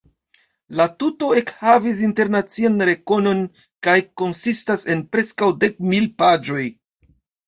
La tuto ekhavis internacian rekonon kaj konsistas en preskaŭ dek mil paĝoj.